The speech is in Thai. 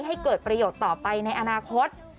ให้เกิดประโยชน์ต่อไปในอนาคต